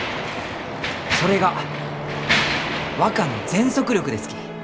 それが若の全速力ですき。